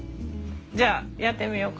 じゃあやってみようか？